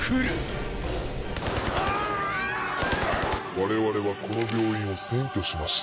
我々はこの病院を占拠しました。